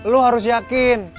lu harus yakin